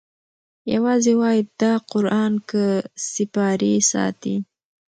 یوازی وایي دا قران که سیپارې ساتی